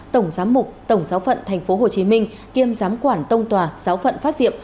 tổng giám mục tổng giáo phận tp hcm kiêm giám quản tông tòa giáo phận phát diệm